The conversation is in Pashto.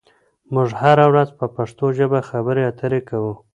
موږ هره ورځ په پښتو ژبه خبرې اترې کوو.